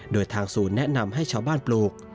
โดยทางศูนย์แนะนำให้ชาวบ้านปลูก